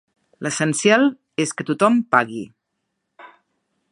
L'essencial és que tothom pagui.